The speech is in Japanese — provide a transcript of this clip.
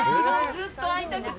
ずっと会いたくて。